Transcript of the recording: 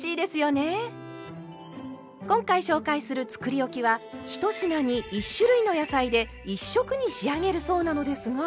今回紹介するつくりおきは１品に１種類の野菜で１色に仕上げるそうなのですが。